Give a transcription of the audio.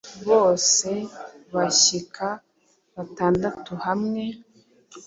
bose bashyika batandatu hamwe